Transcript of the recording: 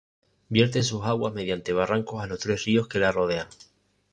Vierte sus aguas mediante barrancos a los tres ríos que la rodean.